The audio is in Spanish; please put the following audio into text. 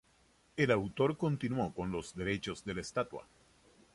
El autor continuó con los derechos de la estatua.